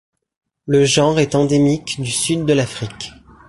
Le genre est endémique du Sud de l'Afrique.